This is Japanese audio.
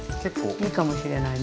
いいかもしれないね。